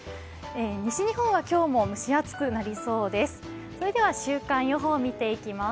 西日本は今日も蒸し暑くなりそうです。